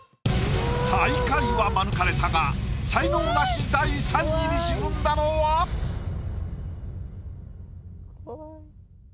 最下位は免れたが才能ナシ第３位に沈んだのは⁉怖い。